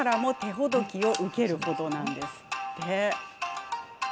プロからも手ほどきを受ける程なんです。